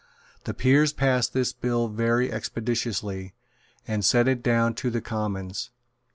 The Peers passed this bill very expeditiously, and sent it down to the Commons.